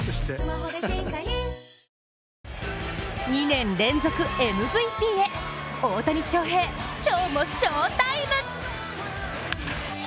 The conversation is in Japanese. ２年連続ＭＶＰへ、大谷翔平、今日も翔タイム。